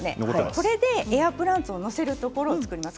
これでエアプランツを載せるところを作ります。